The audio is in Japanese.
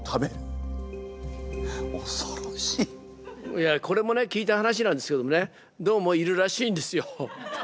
いやこれもね聞いた話なんですけどもねどうもいるらしいんですよ。